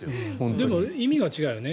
でも、意味が違うよね。